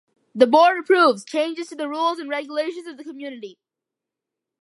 The board approves changes to the rules and regulations of the community.